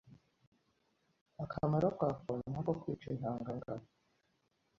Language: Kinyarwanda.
akamaro kako ni ako kwica intangangabo,